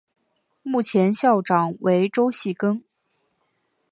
目前校长为周戏庚。